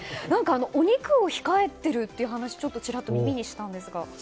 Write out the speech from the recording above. お肉を控えているという話をちらっと耳にしたんですが。